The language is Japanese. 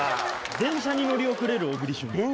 電車に乗り遅れる小栗旬。